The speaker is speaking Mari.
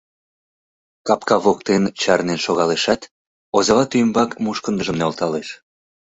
Капка воктен чарнен шогалешат, озавате ӱмбак мушкындыжым нӧлталеш.